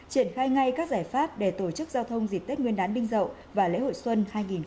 triển khai ngay các giải pháp để tổ chức giao thông dịp tết nguyên đán đinh dậu và lễ hội xuân hai nghìn hai mươi bốn